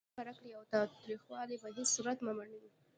مینه خپره کړئ او تاوتریخوالی په هیڅ صورت مه منئ.